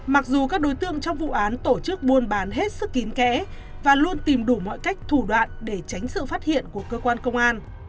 mặc dù các đối tượng trong vụ án tổ chức buôn bán hết sức kín kẽ và luôn tìm đủ mọi cách thủ đoạn để tránh sự phát hiện của cơ quan công an